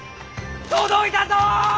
届いたぞ！